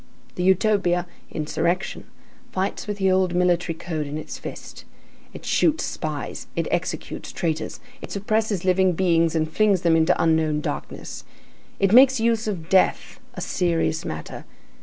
The Utopia, insurrection, fights with the old military code in its fist; it shoots spies, it executes traitors; it suppresses living beings and flings them into unknown darkness. It makes use of death, a serious matter.